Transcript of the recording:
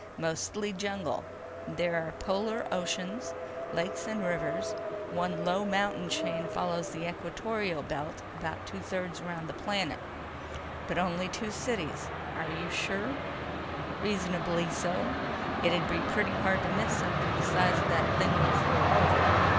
"Mostly jungle. There are polar oceans, lakes and rivers. One low mountain chain follows the equatorial belt about two thirds around the planet." "But only two cities. Are you sure?" "Reasonably so. It'd be pretty hard to miss something the size of that thing we flew over.